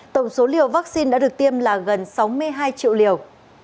tổng số liều vaccine đã được tiêm là gần sáu mươi hai triệu liều